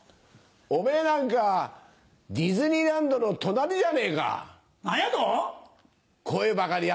おめぇなんかディズニーランドの隣じゃねえか。